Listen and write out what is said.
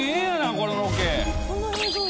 このロケ。